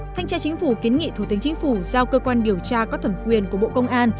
thanh tra chính phủ kiến nghị thủ tướng chính phủ giao cơ quan điều tra có thẩm quyền của bộ công an